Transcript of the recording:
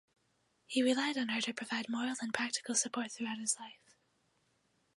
He relied on her to provide moral and practical support throughout his life.